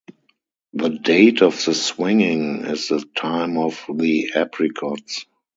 The date of the swinging is the time of the apricots.